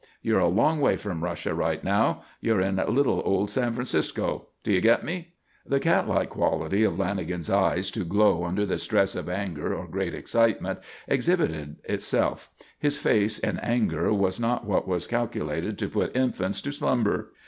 You're a long way from Russia right now. You're in little old San Francisco. Did you get me?" The catlike quality of Lanagan's eyes to glow under the stress of anger or great excitement, exhibited itself. His face in anger was not what was calculated to put infants to slumber.